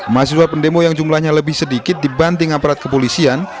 mahasiswa pendemo yang jumlahnya lebih sedikit dibanding aparat kepolisian